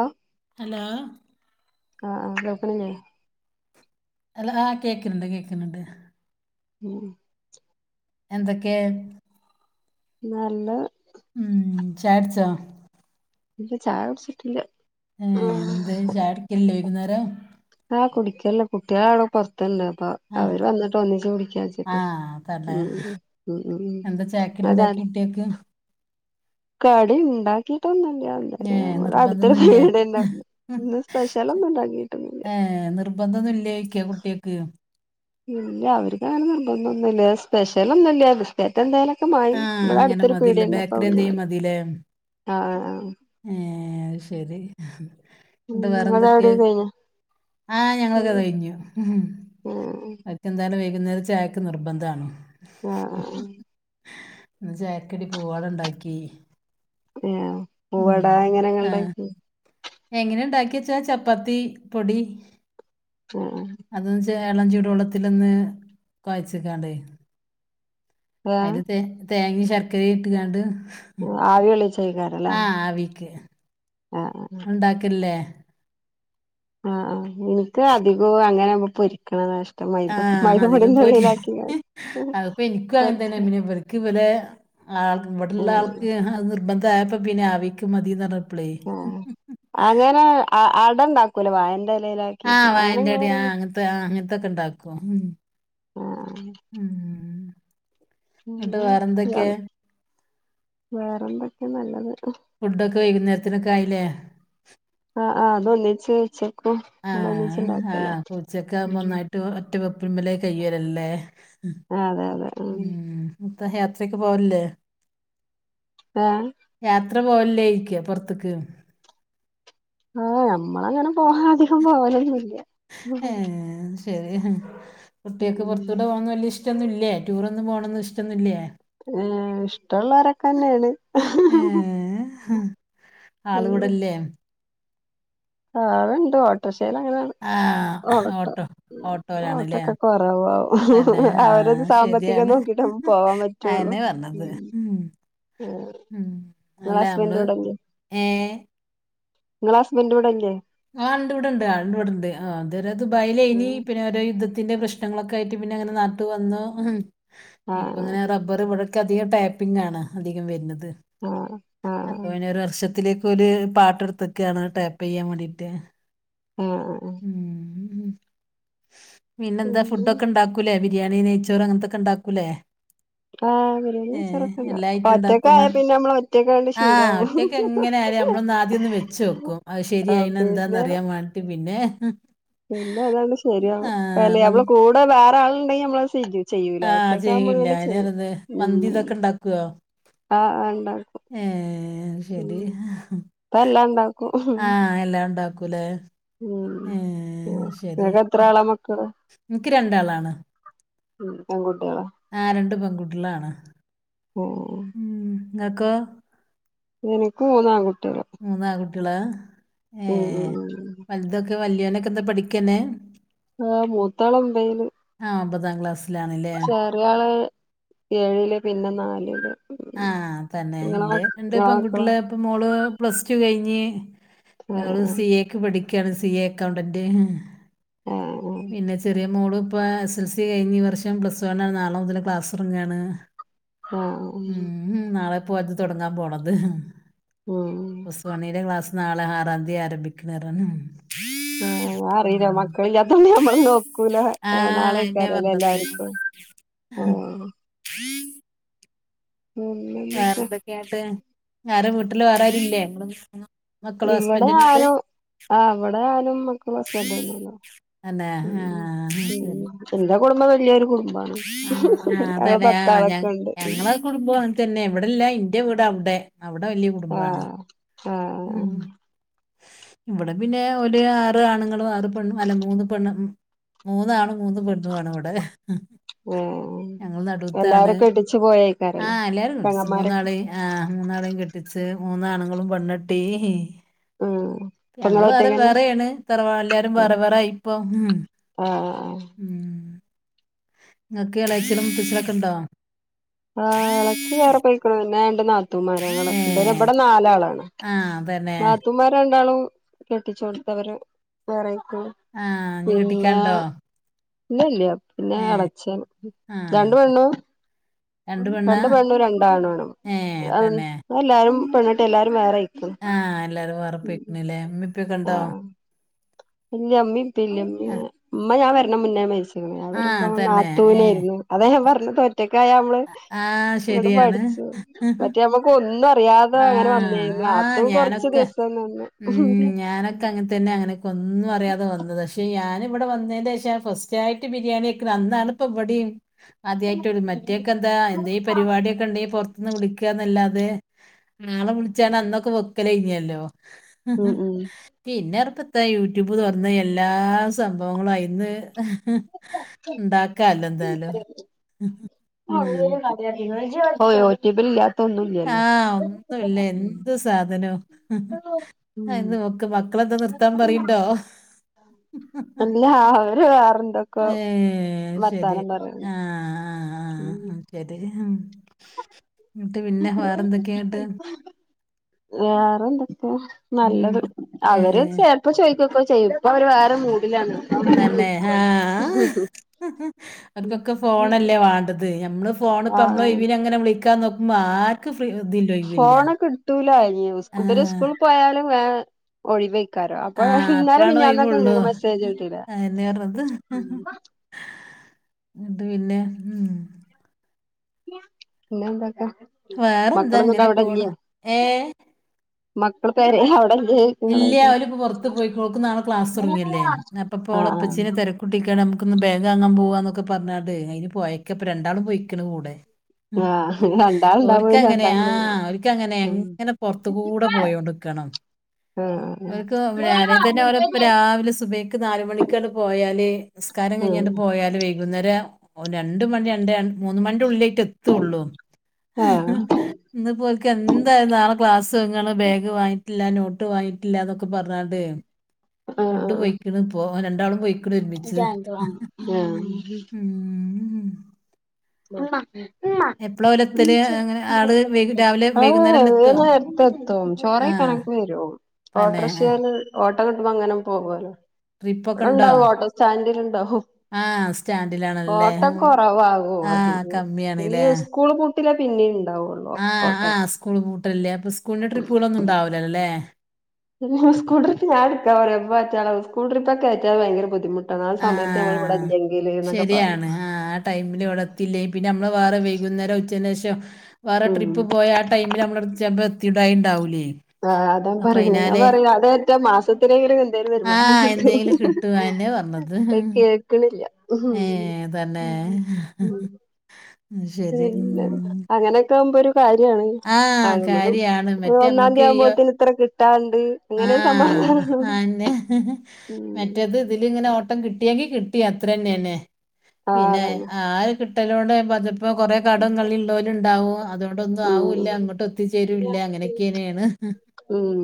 Hello hello? ആഹ് ആഹ് നോക്ക്ണ്ല്ലേ? ഹലോ കേക്ക്ന്ണ്ട് കേക്ക്ന്ണ്ട് ആ ഉം എന്തെക്കേ ന്നല്ലത് ഉം ചായെടിച്ചോ ഇല്ല ചായ കുടിച്ചിട്ടില്ല. ഏഹ് എന്തേ ചായ്ക്കുടിക്കലില്ലേ വൈകുന്നേരം. ആഹ് കുടിക്കല് കുട്ടിയാളവടെ പൊറത്ത്ണ്ട് അപ്പൊ ആ അവര് വന്നിട്ട് ഒന്നിച്ച് കുടിക്ക ആ വെച്ചിട്ട് അതല്ലേ ഉം ഉം ഉം ഇങ്ങളെ ചായ ട്ടിയാക്ക് കടി ണ്ടാക്കിറ്റൊന്നുല്ല. ഏ ഇങ്ങനെ പോണു നിർബന്ധമൊന്നുമില്ലേ അടുത്തവീടെല്ലാം ഇന്ന് സ്പെഷ്യലൊന്നും ണ്ടാക്കിയിട്ടൊന്നില്ല. ഏഹ് നിർബന്ധൊന്നുല്ലേ ച്ചൊയിക്കാ കുട്ടിയാക്ക് ഇല്ല അവർക്ക് അങ്ങനെ നിർബന്ധന്നൂല്ല സ്പെഷ്യലൊന്നുല്ലാ ന്. ട്ടിയാക്കെന്തേലൊക്കെ ആ മാണങ്ങി ഇബടെ അങ്ങനെ അടുത്തൊരു മതിയില്ല പീടിയണ്ട് അപ്പ ബേക്കറി അവിട്ന്ന് വേ എന്തെയും ആഹ് അഹ് ആഹ് ഹ് ഏഹ് അഹ് ശരി ന്ന്ട്ട് ആഹ് ആഹ് വേറെന്തൊക്കെ നിങ്ങളവിടെ കഴിഞ്ഞോ ആഹ് ഞങ്ങളതൊക്കെ കഴിഞ്ഞു ആഹ് അര് കെന്തായാലും വൈകുന്നേരം ചായക്ക് നിർബന്ധാണ്. ആഹ് ആഹ് ആഹ് ഇന്ന് ജയക്കേണ്ടി പൂവട ഇണ്ടാക്കി. ഏഹ് ഉം പൂവട എങ്ങനെങ്ങൾ ആഹ് ഇണ്ടാക്കി എങ്ങെനെണ്ടാക്കി വെച്ച് ചപ്പാത്തീ പൊടി ആഹ് അതു ചേ എളം ചൂട് വെള്ളത്തിലൊന്ന് കൊയച്ച്ടണ് ആഹ് അയില് തേ തേങ്ങി ശർക്കരി ഇട്ട്ങ്ങാണ്ട്. ഉം ഏഹ് ആവി കൊള്ളിച്ചേക്കാരല്ലേ ആഹ് ആവിക്ക് ആഹ് ആഹ് ഇണ്ടാക്കല്ലേ ആഹ് അഹ് ഇൻക്ക് അധികം അങ്ങനൊ പൊരിക്കണതാ ഇഷ് പ മൈദ മൈദപൊടിൻ്റുള്ളിലാക്കി. അത്പ്പോ ഇൻക്കു അങ്ങന തന്നെ പിന്നെ ഇവര്ക്ക് ഇവരെ ആൾ ഇവിടെള്ള ആഹ് ആൾക്ക് അത് നിർബന്ധ ന്തായപ്പ പിന്നെ ആവിക്ക് മതി ന്നറ ആഹ് അങ്ങനെ അ അടണ്ടാകുലോ വായന്റെലേല് ആഹ് വായന്റെ ടി യാ അങ്ങൻത്തെ ആഹ് അങ്ങൻത്തൊക്കെണ്ടാക്കും ഉം ആഹ് ഉം നട്ട് വേറെന്തൊക്കെ ആഹ് വേറെന്തൊക്കെ നല്ലത് ഫുഡ് ഫുഡോക്കെ വൈകുന്നേരത്തിനൊക്കെ ആയിലേ? ആഹ് ആഹ് ഇന്ന് ഒന്നിച്ച് വെച്ച്ക്കാ ഇങ്ങളെന്താ ഒന്നിച്ച്ണ്ടാകില്ലേ? ഉം ഉം ട്ട് ഒറ്റ വെപ്പ്മ്മലേ കയ്യേലല്ലേ ഉം അതെ അതെ ഉം ഇൻതാ യാത്രെക്കെ പോവലില്ലേ ഏഹ് യാത്ര പോവലില്ലേ ചൊയ്ക്കാ പൊറത്ത്ക്ക് ആഹ് ഞമ്മളങ്ങനെ പോകാ അധികം പോവലൊന്നൂല്ല ഏഹ് ശരി കുട്ടിയാക്ക് ഉം പൊറത്തൂടെ പോവന്ന് വല്ല്യഷ് ട്ടന്നൂല്ലേ ടൂറൊന്നും പോണന്ന് ഇഷ്ട്ടൊന്നുല്ലേ ഏഹ് ഇഷ്ട്ടൊള്ളോരൊക്കെന്നാണ് ഏഹ് ആള് ഇവടെല്ലേ ആള്ണ്ട് ഓട്ടോറിക്ഷേലങ്ങനെ ആഹ് ഓട്ടോ ഉം ഓട്ടോയിലാണല്ലേ ഓട്ടൊക്കെ കൊറവാ തന്നെ അവരെ ആഹ് സാമ്പത്തികം ശരിയാണ് നോക്കി ട്ടം പോവാൻ പറ്റുള്ളൂ അയന്നെ പറഞ്ഞത് ഉം ആഹ് ഉം ഇങ്ങള അല്ല ഹസ്ബൻ്റ് നമ്മള് ഇവിടെല്ലേ ഏഹ് ഇങ്ങള ഹസ്ബൻ്റ് ഇവിടെല്ലേ ആ ഇണ്ട് ഇവിടുണ്ട് ഇണ്ട് ഇവിടുണ്ട് ആ അത് ദുബായിലായിനി പിന്നെ രോ യുദ്ധത്തി ത്തിന്റെ പ്രശ്നങ്ങളൊക്കെ ആയിട്ട് പിന്നെങ്ങനെ നാട്ട് വന്നു ഇപ്പ ഇങ്ങനെ ആഹ് റബ്ബർ ഇവിടെ അധികം ടാപ്പിംഗ് ആണ് അധികം വരണത് ആഹ് ആഹ് അപ്പോ ആഹ് പിന്നെ ഒരു വർഷത്തില് രു പാട്ട എടുത്തെക്കാണ് ടേപ്പ് ചെയ്യാൻ വേണ്ടീട്ട് ആഹ് ആഹ് ആഹ് ഉം പിന്നെന്താ പിന്നെ ഫുഡൊക്കെ ഇണ്ടാക്ക ല്ലേ ബിരിയാണി നെയ്ച്ചോറ് അങ്ങൻത്തൊക്കെ ഇണ്ടാക്കൂല്ലേ ആഹ് ബിരിയാണി ചോറൊക്ക എല്ലാ ഇണ്ടാക്കും ഐറ്റം ഉണ്ടാക്കും. ഒറ്റക്കായാ പിന്നെ നമ്മള് ഒറ്റക്ക് അങ്ങിട് ആ ശീവാവും ഒറ്റയ്ക്ക് എങ്ങനെ ആരെ നമ്മളൊന്ന് ആദ്യൊന്ന് വെച്ചോക്കും അത് ആഹ് ശെരിയായിന എന്താന്ന് പിന്നെ അറിയാൻ വേണ്ടിട്ട് പിന്നെ പിന്നെ അതാണ്ട് ശരിയാ അല്ലേ ആ അവള് കൂടെ വേറെ ആളുണ്ടെങ്കി നമ്മളത് ചെയ്യും ചെയ്യൂല ആ ഒറ്റക്കാമ്പോ ചെയ്യൂല പിന്നെ ചെയ്യും അതിനത് മന്തി ഉം ഇതൊക്കെ ആഹ് ആണ്ട ഏഹ് ശരി ഇപ്പ എല്ലാം ഇണ്ടാക്കും ഉം ആഹ് എല്ലാം ഇണ്ടാക്കൂലേ ഏഹ് ഉം ശരി ഇങ്ങക്ക് എത്ര ആളാ മക്കള് എനിക്ക് രണ്ടാളാണ് ഉം പെൺകുട്ടികളാ ആഹ് രണ്ട് പെൺകുട്ടികളാണ് ഓഹ് ഉം നിങ്ങക്കോ എനിക്ക് മൂന്നു ആൺകുട്ടികളാ മൂന്നാങ്കുട്ടികളാ ഉം ഏഹ് ഉം വലുതൊക്കെ വല്യോനൊക്കെ എന്താ പഠിക്കന്നെ ആഹ് മുത്താള് ഉണ്ടായിനി ആ ഒമ്പതാം ക്ലാസ്സിലാണല്ലേ ഒരാള് ഏഴില് പിന്നെ നാലില് ഉം ആഹ് തന്നെ ഇങ്ങളെ മ ഇന്റെ രണ്ട് ഇങ്ങളെ മക്കളോ പെൺകുട്ടികള് ഇപ്പ മോള് പ്ലസ് ടു കഴിഞ്ഞ് ആഹ് അവള് സി എക്ക് പഠിക്കാണ് സി എ അക്കൗണ്ടന്റ് ആഹ് പിന്നെ ചെറിയ മോള് ഇപ്പ എസ് എൽ സി കഴിഞ്ഞ് ഈ വർഷം പ്ലസ് വൺ ആണ് നാളെ മുതല് ക്ലാസ്സ് തുടങ്ങാണ് ആഹ് ഓഹ് ഉം നാളെ പ്പോ അത് തുടങ്ങാൻ പോണത് ഉം പ്ലസ് വണ്ണിന്റെ ക്ലാസ് നാളെ ആറാം തീയതി ആരംഭിക്കുന്ന [unintelligible] ആഹ് അതറിയില്ല മക്കള ആന്നെ നമ്മള് നോക്കൂല ആ എന്നെ നാളേക്കാരല്ലേ പറഞ്ഞത് എല്ലാരിക്കും ആഹ് ീ [inaudible] മ് വേറെ എന്തൊക്കെയ എന്നിട്ട് വേറെ വീട്ടില് വേറൊരും ഇല്ല ഇവിടെയരും ആ ഇവിടെ നാല് മക്കളും ഹസ്ബൻഡും ഞാനും ഉണ്ട് അല്ലെ ആഹ ശരി എന്റെ കുടുംബം വലിയൊരു കുടുംബമാണ് ആ ആ അതല്ലെ ആഹ ഞ ഉം ഞങ്ങള് കുടുംബം അങ്ങനെ തന്നെ ഇവിടെ അല്ല ഇന്റെ വീട് അവിടെ അവിടെ വല്യ കുടുംബം തന്നെ ആഹ ഉം ഇവിടെ പിന്നെ ഒരു ആറ് ആണുങ്ങളും ആറ് പെണ്ണ് അല്ല മൂന്ന് പെണ്ണ് മൂന്നാണ് മൂന്ന് പെണ്ണു ആണ് ഇവിടെ ഏഹ് ഞങ്ങൾ നടുത്താണ് എല്ലാരും കെട്ടിച്ചു പോയേക്കാരല്ലേ ആഹ എല്ലാരുംഉണ്ട് കിഡ്സ്‌ പെങ്ങന്മാരൊക്കെ മൂന്നാണ് ആഹ മൂന്നാളും കെട്ടിച്ച് മൂന്നാണുങ്ങളും പെണ്ണ കെട്ടി ഓ ഞങ്ങള്ൾ വേറെ വേറെയാണ് തറവാട്ടിൽ നിന്ന് ഉം എല്ലാവരും വേറെ ആയിപ്പോ ഉം ആഹ് ആഹ് ഉംഹ്. നിങ്ങക്ക് ഇളച്ചനും മൂത്തച്ചനും ഒക്കെ ഉണ്ടോ? ആഹ് എളച്ചി വേറെ പൊയ്‌ക്കുന്നു. പിന്നെ രണ്ട് നാത്തൂന്മാർ ഉണ്ട്. ഏ ഇവിടെ നാലാളാണ്. ആ തന്നെ നാത്തുമാരണ്ടാളും കെട്ടിച്ചോട്‌ത്തവര് വേറയ്ക്ക്ണ്. ആ നീ പിന്നെ കെട്ടിക്കാണ്ടോ ഇല്ല ഇല്ല പിന്നെ ഏ എളച്ചൻ ആ രണ്ട് പെണ്ണും രണ്ട് പെണ്ണാ രണ്ട്പെണ്ണും രണ്ടാണും ഏ തന്നെ എല്ലാവരും പെണ്ണ് കെട്ടി എല്ലാരും വേറെപോയിട്ടുണ്ട് ആഹ് എല്ലാവരും വേറെ പെയ്ക്ക്ണ്ല്ലേ. ഉമ്മയും ഉപ്പയും ഒക്കെണ്ടോ ആഹ് ഇല്ല ഇമ്മ ഇപ്പയുമില്ല. ആ ഇമ്മ ഞാൻ വരുന്നതിന്റെ മുന്നേ മരിച്ച്ക്ക്ണ്. ഞാൻ ആ, വരുമ്പോ തന്നെ നാത്തൂൻ ഏ ആയിരുന്നു അത ഞാൻ പറഞ്ഞത് ഒറ്റക്കായ ന മ്മള് ആ അങ്ങട്ട് ശരിയാണ് പഠിച്ചു മറ്റേ ആവുമ്പോൾ. എനിക്ക് ഒന്നും അറിയാതെ ആ അങ്ങനെ വന്നതായിരുന്നു ആ നാത്തൂൻ കൊറ്ച്ച് ഞാനൊക്കെ ദിവസം നിന്ന്. ഒക്കെ അങ്ങനെ തന്നെ അങ്ങനെയൊക്കെ ഒന്നും അറിയതെ വന്നത പക്ഷേ ഞാൻ. ഇവിടെ വന്നതിന് ശേഷം ഫസ്റ്റ് ആയിട്ട് ബിരിയാണി വെക്കണ അന്നാണ് ഇപ്പോ ഇവിടെയും ആദ്യായിട്ടൊള്ളു. മറ്റേക്കെന്താ എന്തേങ്കിലും പരിപാടിയൊക്കെപുറത്തു നിന്ന് വിളിക്കാന്നല്ലാതെ. ആളെ വിളിച്ചാണ് അന്നൊക്കെ വെക്കലേനിയല്ലോ. ഉം ഉം പിന്നെപ്പത്തെ യൂട്യൂബ് തുറന്ന എല്ലാ സംഭവങ്ങളും അയിന്ന്. ഉ ണ്ടാക്കാല്ലോ എന്തായാലും. [unintelligible] ഓ യൂട്യൂബ് യിൽ ഇല്ലാത്ത. ഒന്നുംല്ലല്ലോ ആഹ് ഒന്നും ല്ല എന്ത് സാധനം എന്ത് ഒക്ക മക്കളെന്താ നിർത്താൻ പറയ്ണ്ടോ. ആഹ് ആഹ് വേറന്താ ഏഹ് ശരി ആഹ് ആഹ്. ശരി എന്നിട്ട് പിന്നെ വേറെ എന്തൊക്കെയായിട്ട്. വേറെന്തൊക്കെയാ ഉം. നല്ലത് ഏ അവര് ചേർ ഇപ്പൊ ചോയ്ക്കോക്കെ ചെയ്യും. ഇപ്പൊ അവര് വേറെ മൂടിലാണ്. തന്നെ ആഹാ. അവർക്കൊക്കെ ഫോണല്ലേ വാണ്ടത്. നമ്മള് ഫോണ് ഇപ്പോ നമ്മള ആഹ് ഒഴിവിനങ്ങനെ വിളിക്കാ നോ. മാ എനിക്ക് ഫ്രീ ഒന്നുമില്ല ഫോണ് കിട്ടൂല. ഇവർ സ്കൂൾ പോയാലും വേ ഒഴിവേക്കാരം ആ അപ്പൊ ഇന്നാലും അപ്പോഴാണ് മിഞ്ഞാന്നൊക്കെ ഇ ഒഴിവുള്ളൂ ങ്ങക്ക് മെസ്സേജ് വീട്ടിലെ ഉംഹ്. എ ന്നിട്ട് പിന്നെ ഉംഹ്. പിന്നെ എന്തൊക്കെ വേറെ എന്താ മക്കളൊന്നും ഇങ്ങനെ പോണ്. ഏഹ് മക്കള് പെരേ ഔടെജ് ഇല്ല്യ ഓല് ഇപ്പൊ പൊർത്ത് പോയിക്കുണു ഓക്ക്ന്നാളെ ക്ലാസ് തൊട്ങ്ങല്ലേ. ആഹ് ആഹ് അപ്പപ്പോളപ്പച്ചീനെ തെരക്ക്- [unintelligible] നമ്മക്ക്ന്ന് ബേഗാങ്ങാൻ പോവാന്നൊക്കെ പർഞ്ഞാണ്ടെ അയിന് പോയക്കപ്പൊ രണ്ടാളും പോയിക്ക്ണ് കൂടെ. ആഹ് രണ്ടാള്ണ്ടാവുമ്പോ പിന്നെ ഓര്ക്കങ്ങനെ രണ്ടാളും ആഹ് ഓർക്കങ്ങനെ എങ്ങനെ പൊർത്ത്കൂടെ പോയോണ്ട് ക്കണം. ആഹ് ഓര്ക്ക് അല്ലേതന്നെ ഓരപ്പ രാവിലെ സുബൈക്ക് നാല് മണിക്കാണ്ട് പോയാല്. നിസ്കാരം കഴിഞ്ഞാണ്ട് പോയാല് വൈകുന്നേരം രണ്ട് മണി രണ്ട് മൂന്ന് മണി ഉള്ളിലായ്ട്ട് എത്ത് ത്തൊള്ളൂ. ആഹ് ആഹ് ഇന്ന് പോ ഓൽക്ക് എന്തായാലും നാളെ ക്ലാസൊട്ങ്ങാണ് ബാഗ് വാങ്ങിട്ടില്ല, നോ. ട്ട്‌ വാങ്ങിട്ടില്ല ന്നൊക്കെ പർഞ്ഞാണ്ട് ആഹ് കൊണ്ടു ആഹ് പോയിക്ക്ണ് പ്പോ രണ്ടാളും പോയി. ക്രിമിച്ച്. [unintelligible] [unintelligible] എപ്പോഴാ ഓല് എത്തല് അങ്ങനെ ആള് വൈകു രാവിലെ വൈകുന്നേരം തന്നെ എത്തുവോ നേര്ത്തെത്തും ആ ചോറയ്ക്കണം. വരും. തന്നെ ഓട്ടോറിക്ഷേല് ഓട്ടോ കിട്ടുമ്പോ അങ്ങനെ പോകോല്ലോ. ട്രിപ്പൊക്കെ ഇവടെ ഉണ്ടോ ഇണ്ടാവും ഓട്ടോ സ്റ്റാൻഡില് ഇണ്ടാവും. ആ സ്റ്റാൻഡിലാണല്ലേ ഓട്ടം ഉം. ആ കൊറവാകുമതികോം ഈ കമ്മിയാണല്ലേ സ്കൂള് പൂ ട്ടിലപിന്നിം ഇണ്ടാവൊള്ളൂ. ആഹ് ഓട്ടോക്കെ ആഹ് സ്കൂൾ പൂട്ടല്ല്ല്ലേ അപ്പൊ സ്കൂളിന് ട്രിപ്പുകളൊന്നും ഇണ്ടാവില്ലല്ലേ സ്കൂൾ ട്രിപ്പ് ഞാനിട്ക്കാപറിം [unintelligible] സ്കൂട്രപ്പക്കെ വെച്ചാ ഭയങ്കര ബുദ്ധിമുട്ട് അതാ ആ സമയത്ത് നമ്മൾ ഇവിടെ ഇല്ലെങ്കില് എന്നൊക്കെ പറിം ടൈമില് ഇവടെ എത്തിയില്ലെങ്കിൽ പിന്നെ നമ്മള് വേറെ വൈകുന്നേരം ഉച്ചന്റെ ശേഷോ വേറെ ഉം ട്രിപ്പ് പോയാ ടൈമില് നമ്മള് ചെൽപ്പ എത്തിടായ് ഇണ്ടാവൂല്ലേ ആഹ് അതാണ് പറഞ്ഞത് ഞാൻ പർഞ്ഞ് അത് റ്റ മാസത്തിലെങ്കിലും എന്തേലും ആ വരുമാനം കിട്ടു എന്തെങ്കിലും കിട്ടും എന്നെ [unintelligible] പറഞ്ഞത് ക്ക്ണില്ല ഉം ഏ തന്നെ ഉം ഉം ഉം, ശരി പിന്നെ ഉം. അങ്ങനെയൊക്കെ ആവുമ്പോരു കാര്യാണ്. ആ ആഹ് നമക്ക് കാര്യാണ് മറ്റേ ഒന്നാം തീയതി ആവുമ്പോത്ത്ന് ഇത്ര കിട്ടാൻണ്ട് ആഹ് ആഹ് ന്നെ ഉം മറ്റേത് ഇതിലിങ്ങനെ ഓ ട്ടം കിട്ടിയെങ്കി കിട്ടി അത്ര തന്നെന്നെ ആഹ് പിന്നെ അതന്നെ ആഹ് കിട്ടലോണ്ട് [unintelligible] അത് ഇപ്പൊ കൊറേ കടം കള്ളീം ഇള്ളോല്ണ്ടാവും അതോ ണ്ടൊന്നും ഉം ആവൂല്ല അങ്ങോട്ട് എത്തിചേരൂല്ല അങ്ങനെയൊക്കനേണ് ഉം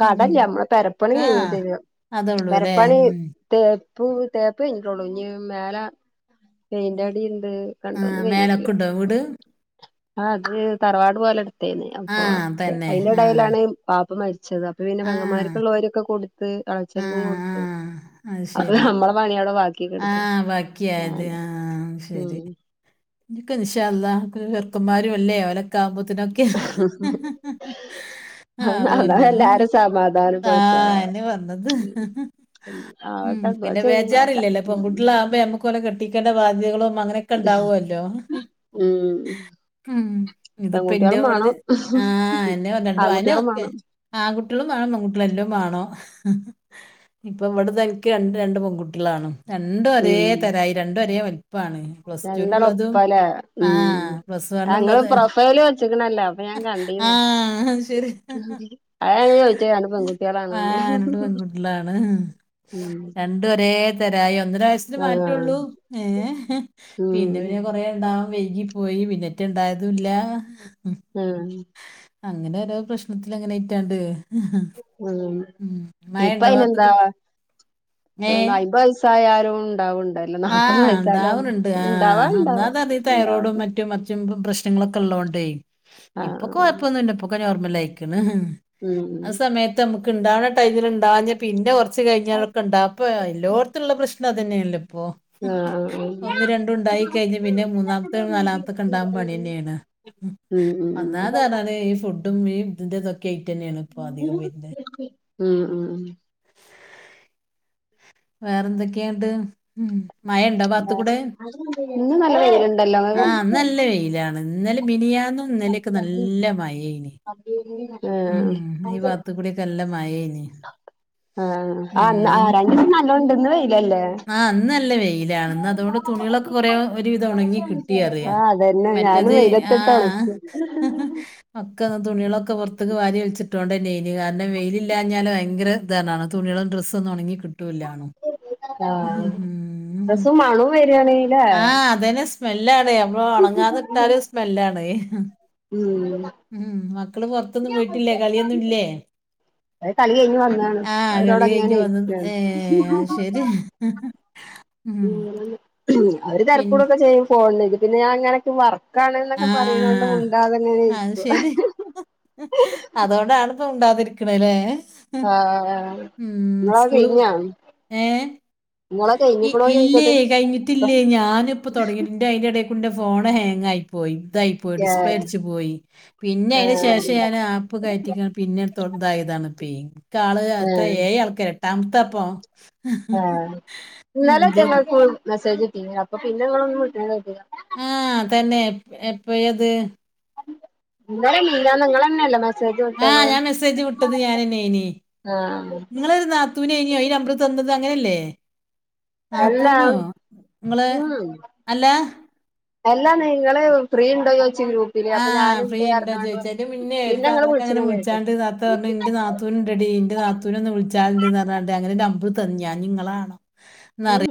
കടല്ല നമ്മടെ പെരപ്പണി ആ കഴിഞ്ഞിട്ടില്ല അതേ ഉള്ളൂ അല്ലേ പെരപ്പണി ഉം. തേപ്പു തേപ്പ് കഴിഞ്ഞിട്ടോള്ളു ഇഞ്ഞി മേല പെയിന്റടിണ്ട് ആഹ് മേലെക്കുണ്ടോ വീട് ആഹ് അത് തറവാട് പോലെഇട്ത്തേനി ആ അപ്പൊ തന്നെ അതിന്റെ ആ ഇടയിലാണ് ബാപ്പ മരിച്ചത് അപ്പൊ പിന്നെ ആ പെങ്ങന്മാർക്കുള്ള ഓഹരിയൊക്കെ കൊടുത്ത് ആ എളച്ചൻക്കും ആ കൊട്ത്ത് അത് നമ്മടെ പണി ആ ബാക്കിക്കെട്ത്ത് ബാക്കിയായത് [unintelligible] ഉം ക്ക് ഇൻഷാഅല്ലാഹ് ചെർക്കന്മാരുല്ലേ ഓലൊക്കെ ആകുമ്പോ ത്‌നൊക്കെ അതാ ആകോല്ലോ. എല്ലാരും സമാധാനപ്പെടുത്ത ആഹ് അയന്നെ വന്നത് ഉം ആവട്ടെ ദുആ പിന്നെ ചെയ്യും കാക്ക ബേജാറില്ലല്ലോ ഉം പെൺകുട്ടിയളാകുമ്പ നമുക്ക് ഓലെ കെട്ടിക്കേണ്ട ബാധ്യതകളൊന്നും അങ്ങനെ ക്കെണ്ടാവൊല്ലോ ഉം ഉം ഇതിപ്പോ ഇന്റെ പെൺകുട്ടികളും ഇവിടെരു മാണം ആഹ് എന്നെ രണ്ടു അയന്നെ ആൺകുട്ടികളും ഓക്കെ മാണം ആൺകുട്ടിയളും വേണം പെ ൺ കുട്ടിയളുംഎല്ലും വാണം ഇപ്പ ഇവടെ എൻക്ക് രണ്ട് രണ്ട് പെൺകുട്ടിയളാണ്. രണ്ടും ഒരേ ഉം തരായി രണ്ടും ഒരേ വലിപ്പാണ് രണ്ടാളും ഒപ്പാല്ലേ ഉം പ്ലസ് ആഹ് ഇങ്ങള് വണ്ണുള്ളത് പ്രൊഫൈല് വെച്ച്ക്ക്ണല്ലോ ഇപ്പ ഞാൻ ആ കണ്ടീന്ന് [unintelligible] ആഹ് പെൺകുട്ടികളാണോന്ന് രണ്ട് പെൺകുട്ടികളാണ് ഉം രണ്ടും ഒരേ തരായി ഒന്നര വയസ്- [unintelligible] ആഹ് മാറ്റൊള്ളൂ ഏ പിന്നെ ഉം പിന്നെ കൊറേ ഇണ്ടാവാ വൈകിപോയി പിന്നെറ്റ് ഇണ്ടായതുമില്ല ആഹ് അങ്ങനെ ഓരോ പ്രശ്നത്തിലങ്ങനെ അയ്റ്റാണ്ട് ഉം ഇപ്പം അയിനെന്താ വാത്തുക്കുട്ടി ഏ അയിപ്പത് വയസ്സ് സ്സായാലും ഉണ്ടാവുണ്ടല്ലോ നാല്പത് ആഹ് വയസ്സായാലും ഉണ്ടാവനുണ്ട് ആ ഇണ്ടാവാണ്ടാവും ഒന്നാമത് ഈ തൈറോയ്ഡും ഇണ്ടാവട്ടെ മറ്റും മറ്റും പ്രശ്നങ്ങളൊക്കെ ഉള്ളതേണ്ടേയ് ആഹ് ഇപ്പൊ കൊഴപ്പൊന്നുമില്ല ഇപ്പൊക്കെ നോർമൽ ആയിക്കണ് ആഹ് ഉം ആ സമയത്ത് നമ്മുക്ക് ഇണ്ടാകണ ടൈമിൽ ഇണ്ടാകാഞ്ഞ് പിന്നെ കുറച്ച് കഴിഞ്ഞ് അതൊക്കെ ഉണ്ടാ ഇപ്പം എല്ലോടുത്തും ഉള്ള പ്രശ്നം അത് തന്നെയല്ലേ ഇപ്പൊ ആഹ് ആഹ് ഒന്ന് രണ്ടും ഉണ്ടായി കഴിഞ്ഞ് പിന്നെ മൂന്നാമത്തേമ് നാലാമത്തൊക്കെ ഉണ്ടാകാൻ പണി തന്നെയാണ് ഉം ഉം ഉം ഒന്നാമത് അതാണ് ഈ ഫുഡും ഈ ഇതിന്റെതൊക്കെ ആയിട്ട് തന്നെയാണ് ഇപ്പൊ അധികം വരുന്നത് ഉം ഉം ഉം വേറെ എന്തൊക്കെയ ഇന്നണ്ട് ഉം മഴ ഇണ്ടോ ആ ഭാകത്ത്കൂടെ ഇന്ന് നല്ല വെയിലുണ്ടല്ലോ ആഹ് ഇന്ന് നല്ല വെയിലാണ് ഇന്നലിം മിനിയാന്നും ഇന്നാലൊക്കെ നല്ല മഴ ഏനി [unintelligible] ഉം ഈ വാകത്ത് കൂടി നല്ല മഴ ഏനി ആഹ് ആന്ന് ആ രണ്ടീസം നല്ലോണം ഇണ്ട് ഇന്ന് വെയില് അല്ലേ ആ ഇന്ന് നല്ല വെയി ലാണ് ഇന്ന് അന്തുകൊണ്ട് തുണികളൊക്കെ കൊറേ ഒരുവിതം ഒണങ്ങി കിട്ടി പറ്യാ ആഹ് അതന്നെ ഞാനും മറ്റത് വെയിലത്തിട്ട് ആഹ് ഒണക്കി ഒക്കന്ന് തുണ്യളൊക്കെ പൊർത്ത്ക്ക് വാരി വൽച്ചിട്ടോണ്ടെന്നെയ്നി കാരണം വെയിലില്ലാഞ്ഞാല് വയങ്ക [unintelligible] തുണ്യാള് ഡ്രസ്സൊന്നു ഒണങ്ങി കിട്ടൂലാ ആഹ് ഡ്രസ്സ് മണം വരുവാണ് ആഹ് അതെന്നെ സ്മെല്ലാണ് ഞമ്മളൊണങ്ങാതെ ഇട്ടാല് സ്മെല്ലാണ് ഉം ഉം മക്കള് പൊർത്തൊന്നും പോയിട്ടില്ലേ കളം ഒന്നുല്ലേ അത് കളി കഴിഞ്ഞ് വന്നാണ് ആഹ് കളി കൈഞ് അവരോടങ്ങനെ വന്നത് ഇരിക്കാണ് ഏഹ് അഹ്ശരി ഉം അവര് പിന്നെ തെരക്കൂട്ടൊക്കെ ചെയ്യും ഫോൺന് പിന്നെ ഞാ ഇങ്ങനെ വർക്ക് ക്കാണ് ആ ന്നൊക്കെ പറിണോണ്ട് മുണ്ടാതെങ്ങനെ അത് ഇരിക്കും അതാണ് ഇപ്പം മുണ്ടാതിര്ക്ക്ണെലേ ആഹ് ഉം നിങ്ങളെ സ്കൂള് കഴിഞ്ഞാ ഏഹ് നിങ്ങളെ ഇ കഴിഞ്ഞിക്കണോ ഇല്ലേ ചോദിക്കത് കഴിഞ്ഞിറ്റില്ലേ ഞാന് ഇപ്പം തൊട്ങ്ങീ അയിന്റയിന്റെടേക്കുടെ ഫോൺ ഹാങ്ങായി പോയി തായി പോയി ഏഹ് ഡിസ്പ്ലേ അട്ച്ചു പോയി പിന്നെ അയ്ന് ശേഷം ഞാൻ ആപ്പ് കയറ്റി പിന്നെത്തോ തായതാണ് പ്പേ കാള് ഏഹ് എത്രെ ഏയാൾക്കർ എട്ടാമത്ത ഇപ്പോം ഏഹ് ഇത് ഇന്നലെറ്റെ ഇങ്ങക്ക് മെസ്സേജ്ട്ടീനി അപ്പം പിന്നെ ഇങ്ങളൊന്നും വിളിക്ക്ണ് കേട്ട്ലാ ആഹ് തന്നെ എപ്പം ഏത് ഇന്നലോ മിഞ്ഞാന്നും ഇങ്ങളെന്ന ല്ലെ മെസോജ് ആഹ് ഞാൻ മെസ്സേജ് വിട്ടത് ഞാനെന്നേനി ആഹ് ഇങ്ങളരു നാ ത്തൂനെയ്ന്യോ ഈ നമ്പർ തന്നത് അങ്ങനല്ലേ അല്ല നാത്തൂനോ ഇങ്ങള് അല്ല അല്ലാന്ന് ഇങ്ങള് ഫ്രീ ഇണ്ടോ ചോയ്ച്ച് ഗ്രൂ ആഹ് ഫ്രീ ഇണ്ടോ ചോയ്ച്ച് അയ്‌ന്റെ മുന്നേ ഒര് പിന്നെ ഇങ്ങള് താത്താക്കങ്ങനെ വിളിച്ചണ കേട്ട് വിൾച്ചാണ്ട് താത്ത പർഞ് ഇന്റെ നാത്തു ഉണ്ടെടി ഇന്റെ നാത്തൂനൊന്ന് വിൾച്ചാണ്ട്ന്നർഞാണ്ട് അങ്ങനെ നമ്പർ തന്ന് ഞാൻ ഇഞ് ഇങ്ങളാണേ ന് അറിയി